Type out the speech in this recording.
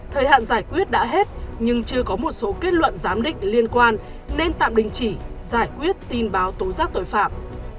thời hạn giải quyết đã hết nhưng chưa có một số kết luận giám định liên quan nên tạm đình chỉ giải quyết tin báo tố giác tội phạm